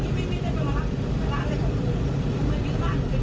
เนี่ยคุณผู้ชม